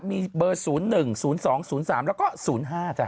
มีเบอร์๐๑๐๒๐๓แล้วก็๐๕จ้ะ